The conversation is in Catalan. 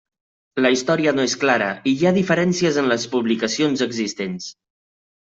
La història no és clara i hi ha diferències en les publicacions existents.